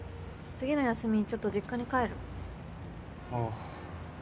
次の休みちょっと実家に帰る。